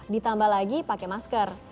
ditambah lagi pakai masker